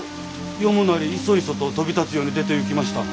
読むなりいそいそと飛び立つように出ていきました。